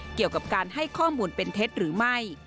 เกี่ยวกับการให้ข้อมูลเป็นเท็จหรือไม่